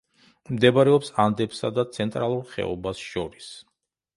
მდებარეობს ანდებსა და ცენტრალურ ხეობას შორის.